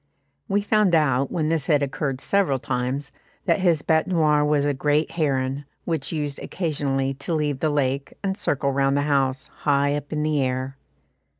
We found out, when this had occurred several times, that his bête noire was a great heron, which used occasionally to leave the lake, and circle round the house, high up in the air.